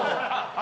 あ。